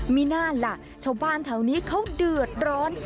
มีน่าล่ะชาวบ้านแถวนี้เขาเดือดร้อน